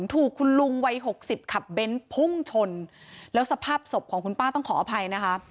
ถูกคุณลุงวัยหกสิบขับเบ้นพุ่งชนแล้วสภาพศพของคุณป้าต้องขออภัยนะคะ